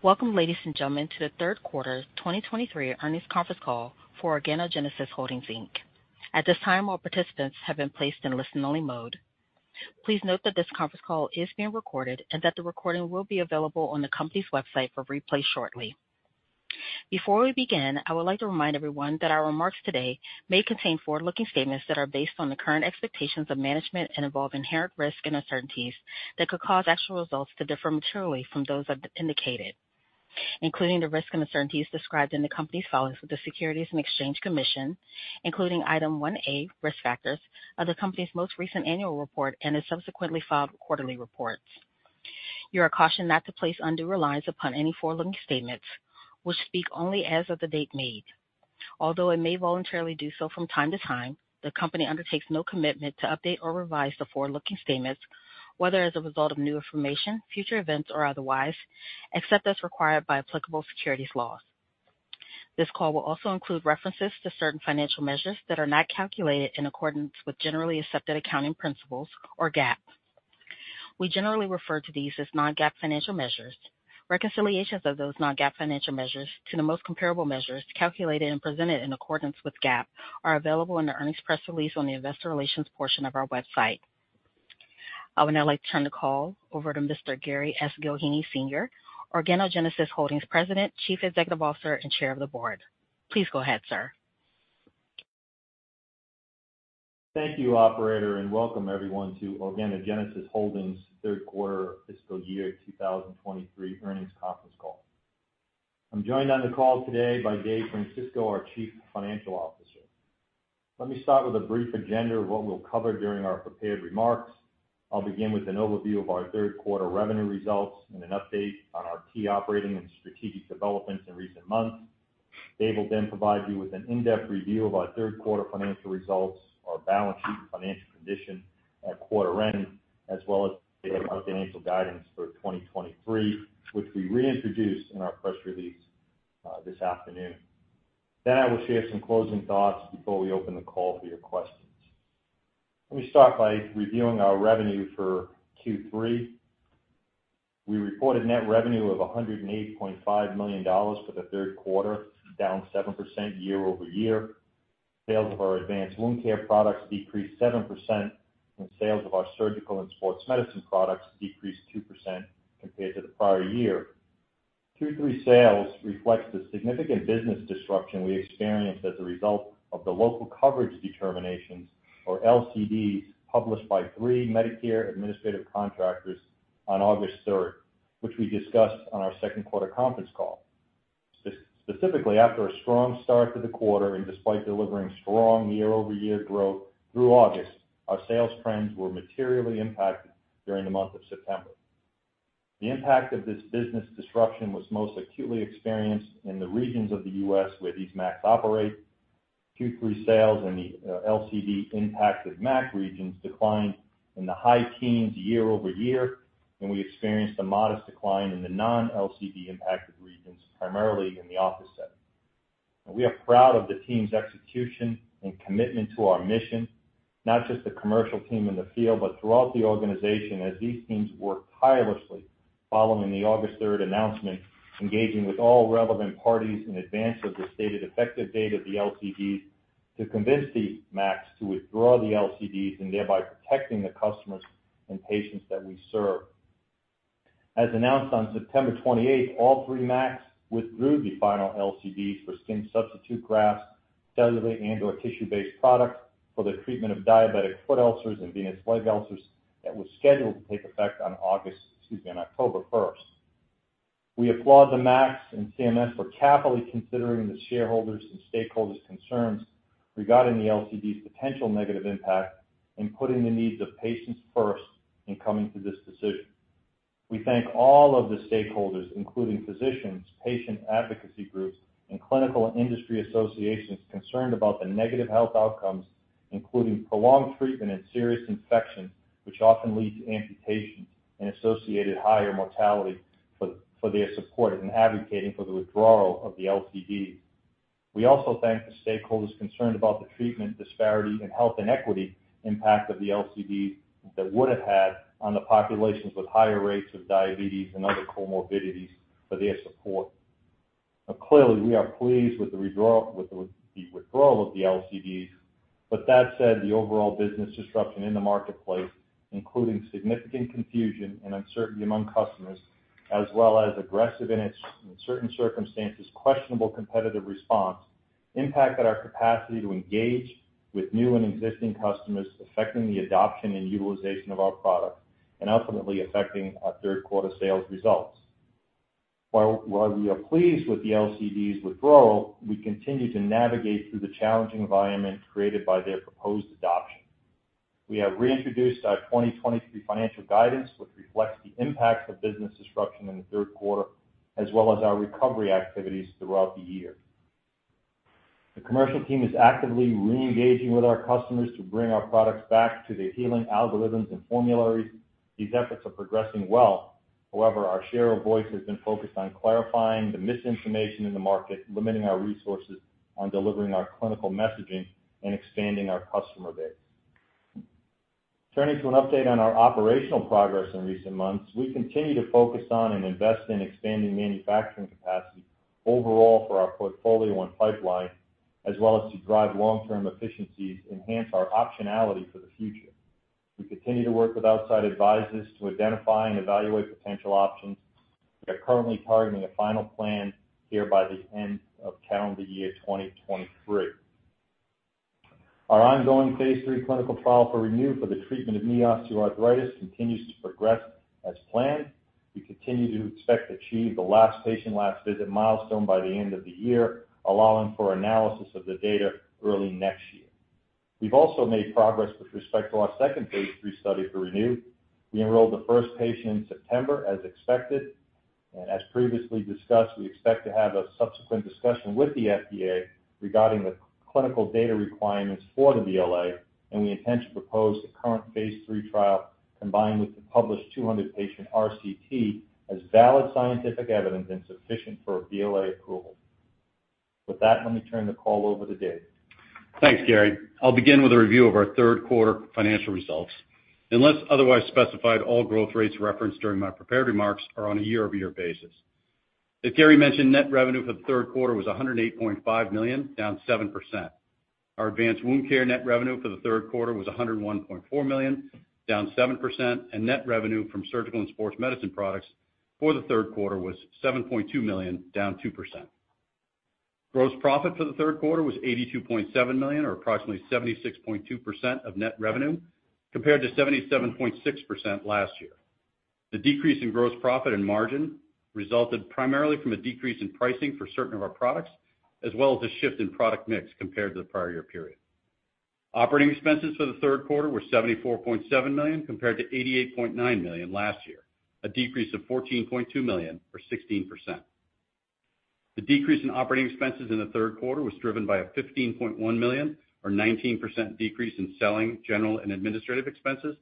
Welcome, ladies and gentlemen, to the Q3 2023 earnings conference call for Organogenesis Holdings Inc. At this time, all participants have been placed in listen-only mode. Please note that this conference call is being recorded and that the recording will be available on the company's website for replay shortly. Before we begin, I would like to remind everyone that our remarks today may contain forward-looking statements that are based on the current expectations of management and involve inherent risks and uncertainties that could cause actual results to differ materially from those indicated, including the risks and uncertainties described in the company's filings with the Securities and Exchange Commission, including Item 1A, Risk Factors, of the company's most recent annual report and its subsequently filed quarterly reports. You are cautioned not to place undue reliance upon any forward-looking statements, which speak only as of the date made. Although it may voluntarily do so from time to time, the company undertakes no commitment to update or revise the forward-looking statements, whether as a result of new information, future events, or otherwise, except as required by applicable securities laws. This call will also include references to certain financial measures that are not calculated in accordance with generally accepted accounting principles, or GAAP. We generally refer to these as non-GAAP financial measures. Reconciliations of those non-GAAP financial measures to the most comparable measures, calculated and presented in accordance with GAAP, are available in the earnings press release on the investor relations portion of our website. I would now like to turn the call over to Mr. Gary S. Gillheeney, Sr., Organogenesis Holdings President, Chief Executive Officer, and Chair of the Board. Please go ahead, sir. Thank you, operator, and welcome everyone to Organogenesis Holdings Q3 fiscal year 2023 earnings conference call. I'm joined on the call today by Dave Francisco, our Chief Financial Officer. Let me start with a brief agenda of what we'll cover during our prepared remarks. I'll begin with an overview of our Q3 revenue results and an update on our key operating and strategic developments in recent months. Dave will then provide you with an in-depth review of our Q3 financial results, our balance sheet, and financial condition at quarter end, as well as our financial guidance for 2023, which we reintroduced in our press release this afternoon. Then I will share some closing thoughts before we open the call for your questions. Let me start by reviewing our revenue for Q3. We reported net revenue of $108.5 million for the Q3, down 7% year-over-year. Sales of our advanced wound care products decreased 7%, and sales of our surgical and sports medicine products decreased 2% compared to the prior year. Q3 sales reflects the significant business disruption we experienced as a result of the local coverage determinations, or LCDs, published by three Medicare Administrative Contractors on August third, which we discussed on our Q2 conference call. Specifically, after a strong start to the quarter and despite delivering strong year-over-year growth through August, our sales trends were materially impacted during the month of September. The impact of this business disruption was most acutely experienced in the regions of the U.S. where these MACs operate. Q3 sales in the LCD-impacted MAC regions declined in the high teens year-over-year, and we experienced a modest decline in the non-LCD impacted regions, primarily in the office setting. We are proud of the team's execution and commitment to our mission, not just the commercial team in the field, but throughout the organization, as these teams worked tirelessly following the August 3 announcement, engaging with all relevant parties in advance of the stated effective date of the LCDs to convince these MACs to withdraw the LCDs and thereby protecting the customers and patients that we serve. As announced on September 28, all three MACs withdrew the final LCDs for skin substitute grafts, cellular and/or tissue-based products for the treatment of diabetic foot ulcers and venous leg ulcers that were scheduled to take effect on August, excuse me, on October 1. We applaud the MACs and CMS for carefully considering the shareholders' and stakeholders' concerns regarding the LCD's potential negative impact in putting the needs of patients first in coming to this decision. We thank all of the stakeholders, including physicians, patient advocacy groups, and clinical and industry associations concerned about the negative health outcomes, including prolonged treatment and serious infections, which often lead to amputations and associated higher mortality, for their support in advocating for the withdrawal of the LCD. We also thank the stakeholders concerned about the treatment disparity and health inequity impact of the LCDs that would have had on the populations with higher rates of diabetes and other comorbidities for their support. Now clearly, we are pleased with the withdrawal of the LCDs. But that said, the overall business disruption in the marketplace, including significant confusion and uncertainty among customers, as well as aggressive and in certain circumstances, questionable competitive response, impacted our capacity to engage with new and existing customers, affecting the adoption and utilization of our products and ultimately affecting our Q3 sales results. While we are pleased with the LCD's withdrawal, we continue to navigate through the challenging environment created by their proposed adoption. We have reintroduced our 2023 financial guidance, which reflects the impacts of business disruption in the Q3, as well as our recovery activities throughout the year. The commercial team is actively reengaging with our customers to bring our products back to the healing algorithms and formularies. These efforts are progressing well. However, our share of voice has been focused on clarifying the misinformation in the market, limiting our resources on delivering our clinical messaging and expanding our customer base... Turning to an update on our operational progress in recent months, we continue to focus on and invest in expanding manufacturing capacity overall for our portfolio and pipeline, as well as to drive long-term efficiencies to enhance our optionality for the future. We continue to work with outside advisors to identify and evaluate potential options. We are currently targeting a final plan here by the end of calendar year 2023. Our ongoing phase III clinical trial for ReNu for the treatment of knee osteoarthritis continues to progress as planned. We continue to expect to achieve the last patient, last visit milestone by the end of the year, allowing for analysis of the data early next year. We've also made progress with respect to our second phase III study for ReNu. We enrolled the first patient in September, as expected, and as previously discussed, we expect to have a subsequent discussion with the FDA regarding the clinical data requirements for the BLA, and we intend to propose the current phase III trial, combined with the published 200-patient RCT, as valid scientific evidence and sufficient for a BLA approval. With that, let me turn the call over to Dave. Thanks, Gary. I'll begin with a review of our Q3 financial results. Unless otherwise specified, all growth rates referenced during my prepared remarks are on a year-over-year basis. As Gary mentioned, net revenue for the Q3 was $108.5 million, down 7%. Our advanced wound care net revenue for the Q3 was $101.4 million, down 7%, and net revenue from surgical and sports medicine products for the Q3 was $7.2 million, down 2%. Gross profit for the Q3 was $82.7 million, or approximately 76.2% of net revenue, compared to 77.6% last year. The decrease in gross profit and margin resulted primarily from a decrease in pricing for certain of our products, as well as a shift in product mix compared to the prior year period. Operating expenses for the Q3 were $74.7 million, compared to $88.9 million last year, a decrease of $14.2 million, or 16%. The decrease in operating expenses in the Q3 was driven by a $15.1 million, or 19% decrease in selling, general, and administrative expenses,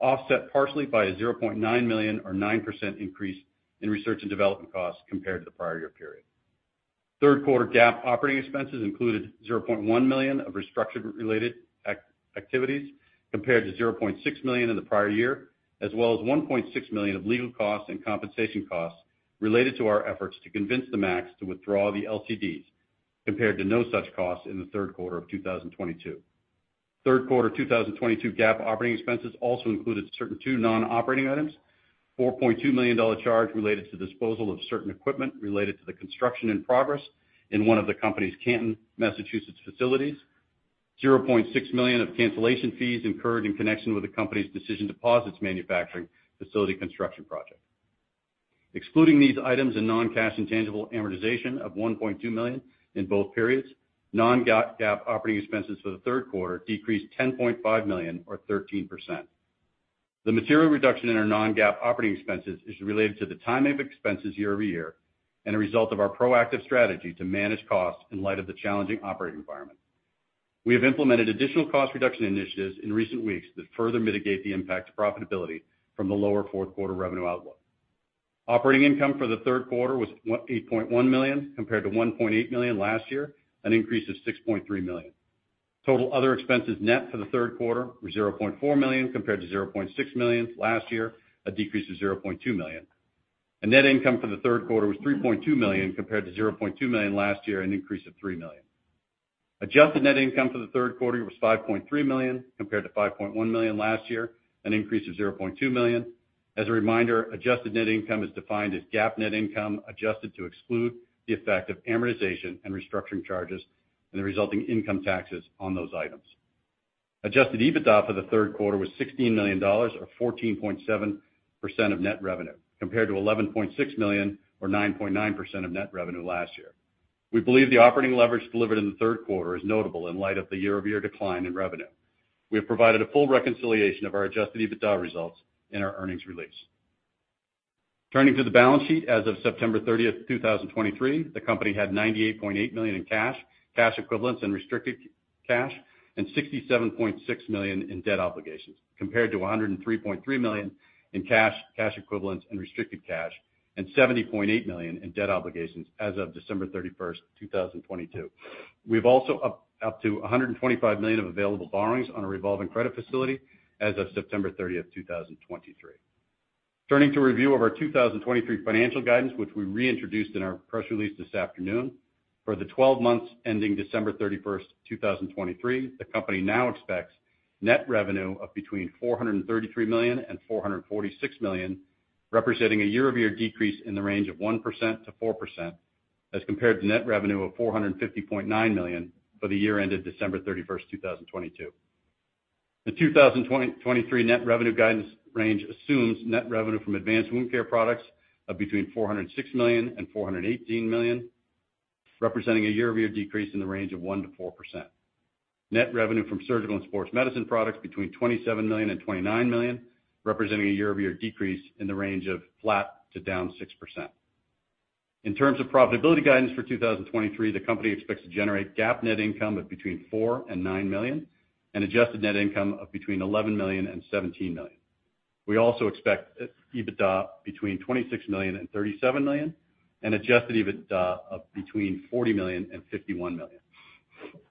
offset partially by a $0.9 million, or 9% increase in research and development costs compared to the prior year period. Q3 GAAP operating expenses included $0.1 million of restructuring-related activities, compared to $0.6 million in the prior year, as well as $1.6 million of legal costs and compensation costs related to our efforts to convince the MACs to withdraw the LCDs, compared to no such costs in the Q3 of 2022. Q2 2022 GAAP operating expenses also included certain two non-operating items: $4.2 million charge related to disposal of certain equipment related to the construction in progress in one of the company's Canton, Massachusetts, facilities. $0.6 million of cancellation fees incurred in connection with the company's decision to pause its manufacturing facility construction project. Excluding these items and non-cash intangible amortization of $1.2 million in both periods, non-GAAP operating expenses for the Q3 decreased $10.5 million, or 13%. The material reduction in our non-GAAP operating expenses is related to the timing of expenses year-over-year, and a result of our proactive strategy to manage costs in light of the challenging operating environment. We have implemented additional cost reduction initiatives in recent weeks that further mitigate the impact to profitability from the lower Q4 revenue outlook. Operating income for the Q3 was $8.1 million, compared to $1.8 million last year, an increase of $6.3 million. Total other expenses net for the Q3 were $0.4 million, compared to $0.6 million last year, a decrease of $0.2 million. Net income for the Q3 was $3.2 million, compared to $0.2 million last year, an increase of $3 million. Adjusted net income for the Q3 was $5.3 million, compared to $5.1 million last year, an increase of $0.2 million. As a reminder, adjusted net income is defined as GAAP net income, adjusted to exclude the effect of amortization and restructuring charges and the resulting income taxes on those items. Adjusted EBITDA for the Q3 was $16 million, or 14.7% of net revenue, compared to $11.6 million, or 9.9% of net revenue last year. We believe the operating leverage delivered in the Q3 is notable in light of the year-over-year decline in revenue. We have provided a full reconciliation of our Adjusted EBITDA results in our earnings release. Turning to the balance sheet, as of September thirtieth, 2023, the company had $98.8 million in cash, cash equivalents, and restricted cash, and $67.6 million in debt obligations, compared to $103.3 million in cash, cash equivalents, and restricted cash, and $70.8 million in debt obligations as of December 31st, 2022. We have also up to $125 million of available borrowings on a revolving credit facility as of September thirtieth, 2023. Turning to a review of our 2023 financial guidance, which we reintroduced in our press release this afternoon. For the twelve months ending December 31, 2023, the company now expects net revenue of between $433 million and $446 million, representing a year-over-year decrease in the range of 1%-4%, as compared to net revenue of $450.9 million for the year ended December 31, 2022. The 2023 net revenue guidance range assumes net revenue from advanced wound care products of between $406 million and $418 million, representing a year-over-year decrease in the range of 1% to 4. Net revenue from surgical and sports medicine products between $27 million and $29 million, representing a year-over-year decrease in the range of flat to down 6%. In terms of profitability guidance for 2023, the company expects to generate GAAP net income of between $4 million and $9 million, and adjusted net income of between $11 million and $17 million. We also expect EBITDA between $26 million and $37 million, and Adjusted EBITDA of between $40 million and $51 million.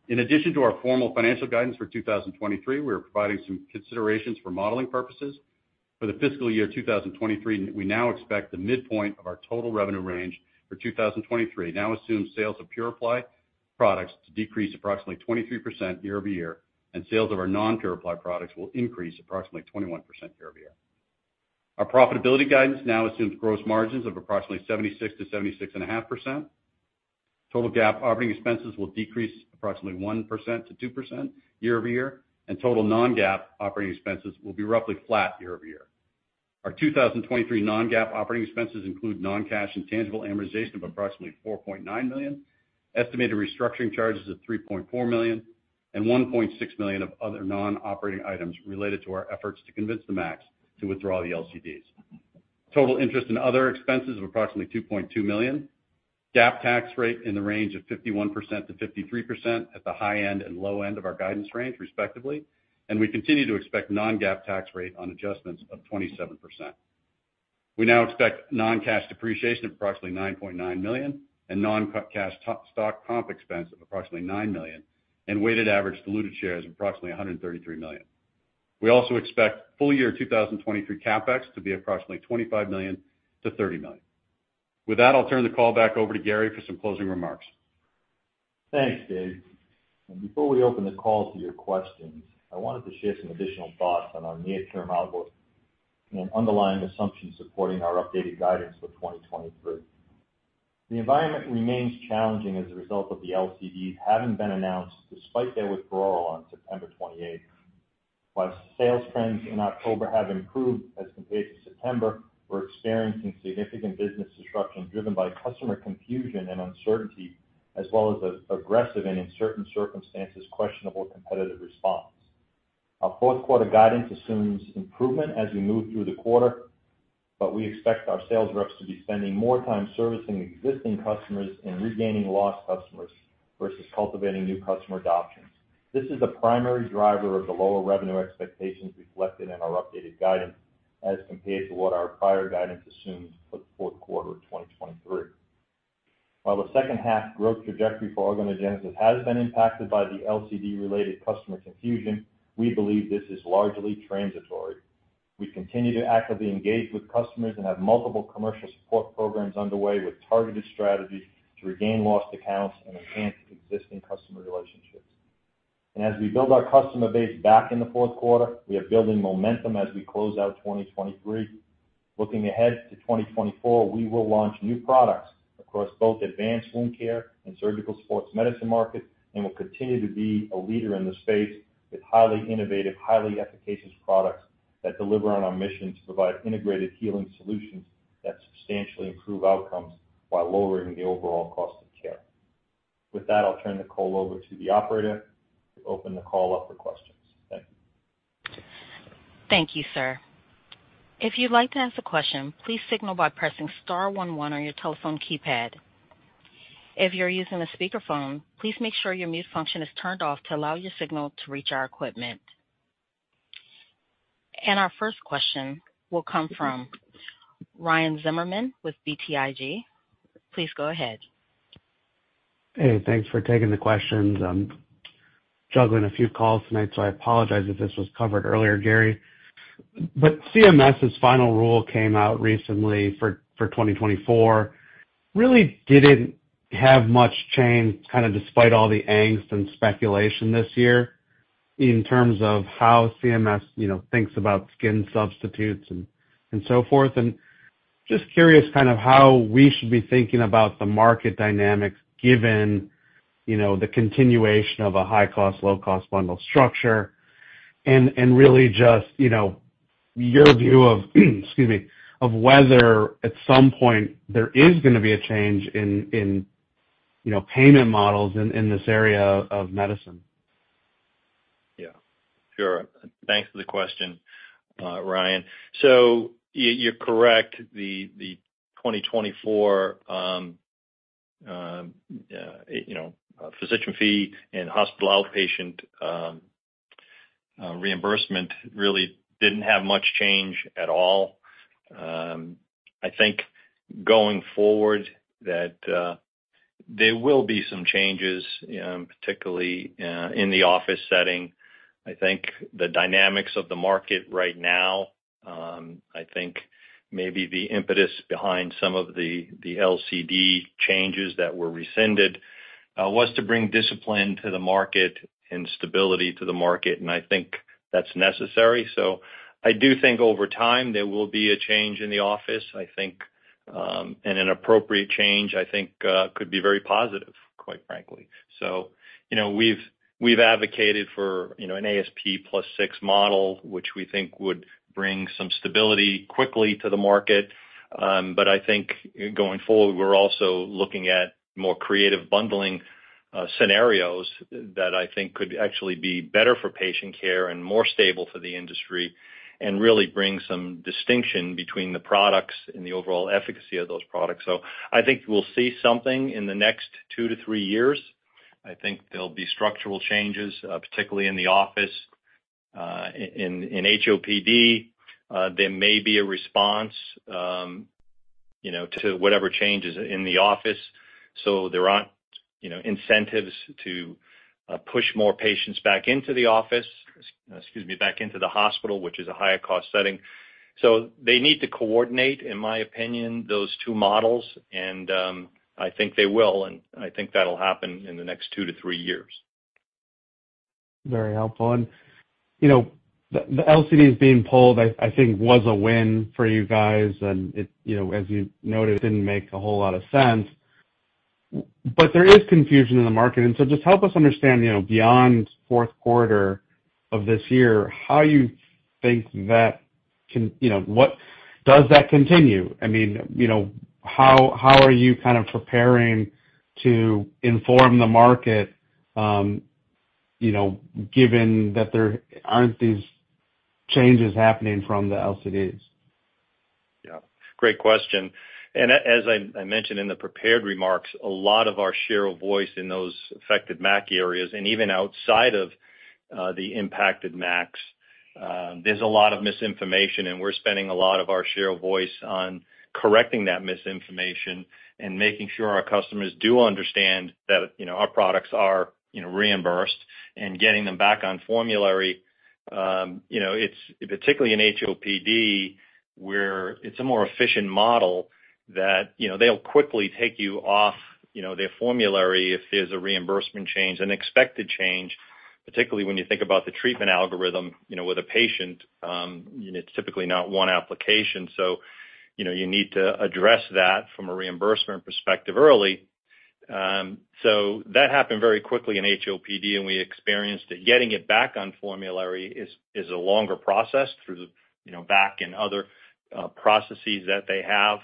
In addition to our formal financial guidance for 2023, we are providing some considerations for modeling purposes. For the fiscal year 2023, we now expect the midpoint of our total revenue range for 2023, now assumes sales of PuraPly products to decrease approximately 23% year-over-year, and sales of our non-PuraPly products will increase approximately 21% year-over-year. Our profitability guidance now assumes gross margins of approximately 76% to 76.5. Total GAAP operating expenses will decrease approximately 1%-2% year-over-year, and total non-GAAP operating expenses will be roughly flat year-over-year. Our 2023 non-GAAP operating expenses include non-cash and tangible amortization of approximately $4.9 million, estimated restructuring charges of $3.4 million, and $1.6 million of other non-operating items related to our efforts to convince the MAC to withdraw the LCDs. Total interest and other expenses of approximately $2.2 million. GAAP tax rate in the range of 51% to 53 at the high end and low end of our guidance range, respectively, and we continue to expect non-GAAP tax rate on adjustments of 27%. We now expect non-cash depreciation of approximately $9.9 million, and non-cash stock comp expense of approximately $9 million, and weighted average diluted shares of approximately 133 million. We also expect full year 2023 CapEx to be approximately $25 million to 30 million. With that, I'll turn the call back over to Gary for some closing remarks. Thanks, Dave. Before we open the call to your questions, I wanted to share some additional thoughts on our near-term outlook and underlying assumptions supporting our updated guidance for 2023. The environment remains challenging as a result of the LCD having been announced, despite their withdrawal on September 28. While sales trends in October have improved as compared to September, we're experiencing significant business disruption, driven by customer confusion and uncertainty, as well as the aggressive and in certain circumstances, questionable competitive response. Our Q4 guidance assumes improvement as we move through the quarter, but we expect our sales reps to be spending more time servicing existing customers and regaining lost customers versus cultivating new customer adoptions. This is a primary driver of the lower revenue expectations reflected in our updated guidance as compared to what our prior guidance assumed for the Q4 of 2023. While the second half growth trajectory for Organogenesis has been impacted by the LCD-related customer confusion, we believe this is largely transitory. We continue to actively engage with customers and have multiple commercial support programs underway with targeted strategies to regain lost accounts and enhance existing customer relationships. As we build our customer base back in the Q4, we are building momentum as we close out 2023. Looking ahead to 2024, we will launch new products across both advanced wound care and surgical sports medicine markets, and will continue to be a leader in the space with highly innovative, highly efficacious products that deliver on our mission to provide integrated healing solutions that substantially improve outcomes while lowering the overall cost of care. With that, I'll turn the call over to the operator to open the call up for questions. Thank you. Thank you, sir. If you'd like to ask a question, please signal by pressing star one one on your telephone keypad. If you're using a speakerphone, please make sure your mute function is turned off to allow your signal to reach our equipment. Our first question will come from Ryan Zimmerman with BTIG. Please go ahead. Hey, thanks for taking the questions. I'm juggling a few calls tonight, so I apologize if this was covered earlier, Gary. But CMS's final rule came out recently for 2024. Really didn't have much change, kind of despite all the angst and speculation this year in terms of how CMS, you know, thinks about skin substitutes and so forth. And just curious kind of how we should be thinking about the market dynamics, given, you know, the continuation of a high-cost, low-cost bundle structure, and really just, you know, your view of, excuse me, of whether at some point there is gonna be a change in, you know, payment models in this area of medicine. Yeah, sure. Thanks for the question, Ryan. So you're correct, the 2024, you know, physician fee and hospital outpatient reimbursement really didn't have much change at all. I think going forward, there will be some changes, particularly in the office setting. I think the dynamics of the market right now, I think maybe the impetus behind some of the LCD changes that were rescinded was to bring discipline to the market and stability to the market, and I think that's necessary. So I do think over time there will be a change in the office, I think, and an appropriate change, I think, could be very positive, quite frankly. So, you know, we've advocated for, you know, an ASP plus six model, which we think would bring some stability quickly to the market. But I think going forward, we're also looking at more creative bundling scenarios that I think could actually be better for patient care and more stable for the industry, and really bring some distinction between the products and the overall efficacy of those products. So I think we'll see something in the next 2-3 years.... I think there'll be structural changes, particularly in the office, in HOPD. There may be a response, you know, to whatever changes in the office. So there aren't, you know, incentives to push more patients back into the office, excuse me, back into the hospital, which is a higher cost setting. So they need to coordinate, in my opinion, those two models, and I think they will, and I think that'll happen in the next 2-3 years. Very helpful. And, you know, the LCDs being pulled, I think, was a win for you guys, and it, you know, as you noted, didn't make a whole lot of sense. But there is confusion in the market, and so just help us understand, you know, beyond Q4 of this year, how you think that can... You know, does that continue? I mean, you know, how are you kind of preparing to inform the market, you know, given that there aren't these changes happening from the LCDs? Yeah, great question. And as I mentioned in the prepared remarks, a lot of our share of voice in those affected MAC areas, and even outside of the impacted MACs, there's a lot of misinformation, and we're spending a lot of our share of voice on correcting that misinformation and making sure our customers do understand that, you know, our products are, you know, reimbursed and getting them back on formulary. You know, it's particularly in HOPD, where it's a more efficient model that, you know, they'll quickly take you off, you know, their formulary if there's a reimbursement change, an expected change, particularly when you think about the treatment algorithm, you know, with a patient, it's typically not one application. So, you know, you need to address that from a reimbursement perspective early. So that happened very quickly in HOPD, and we experienced it. Getting it back on formulary is a longer process through, you know, MAC and other processes that they have.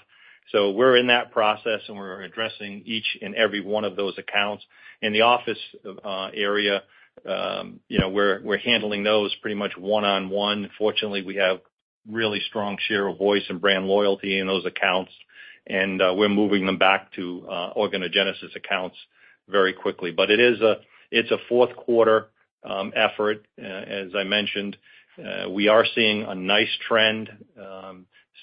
So we're in that process, and we're addressing each and every one of those accounts. In the office area, you know, we're handling those pretty much one on one. Fortunately, we have really strong share of voice and brand loyalty in those accounts, and we're moving them back to Organogenesis accounts very quickly. But it is a, it's a Q4 effort. As I mentioned, we are seeing a nice trend.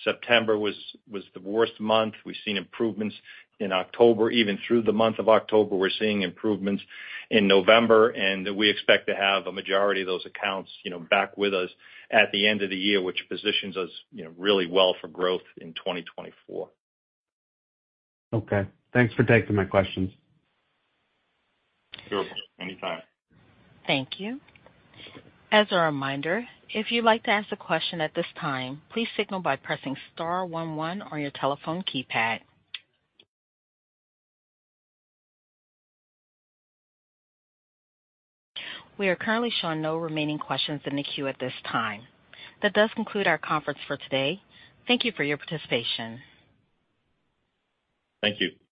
September was the worst month. We've seen improvements in October. Even through the month of October, we're seeing improvements in November, and we expect to have a majority of those accounts, you know, back with us at the end of the year, which positions us, you know, really well for growth in 2024. Okay. Thanks for taking my questions. Sure. Anytime. Thank you. As a reminder, if you'd like to ask a question at this time, please signal by pressing star one one on your telephone keypad. We are currently showing no remaining questions in the queue at this time. That does conclude our conference for today. Thank you for your participation. Thank you.